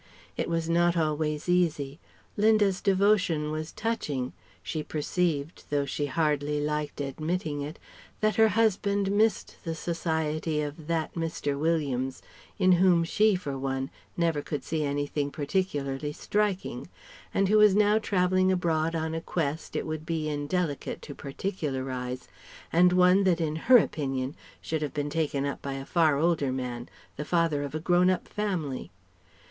It was not always easy. Linda's devotion was touching. She perceived though she hardly liked admitting it that her husband missed the society of "that" Mr. Williams, in whom she, for one, never could see anything particularly striking, and who was now travelling abroad on a quest it would be indelicate to particularize, and one that in her opinion should have been taken up by a far older man, the father of a grown up family.